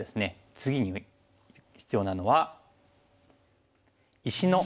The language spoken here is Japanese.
次に必要なのは。